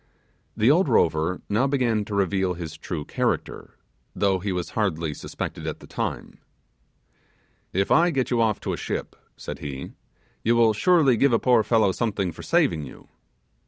The old rover now began to reveal his true character, though he was hardly suspected at the time. 'If I get you off to a ship,' said he, 'you will surely give a poor fellow something for saving you.